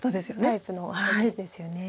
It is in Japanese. タイプの棋士ですよね。